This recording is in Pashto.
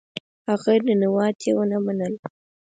هغه ننواتې ونه منله.